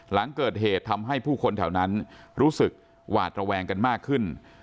หลังเกิดเหตุทำให้ผู้คนแถวนั้นรู้สึกหวาดระแวงกันมากขึ้น